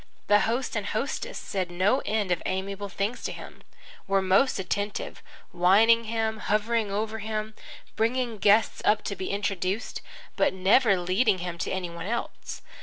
The host and hostess said no end of amiable things to him, were most attentive, wining him, hovering over him, bringing guests up to be introduced, but never leading him to any one else.